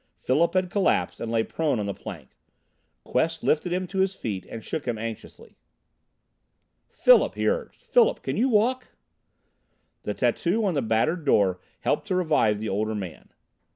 Philip had collapsed and lay prone on the plank. Quest lifted him to his feet and shook him anxiously. "Philip!" he urged. "Philip! Can you walk?" The tattoo on the battered door helped to revive the older man.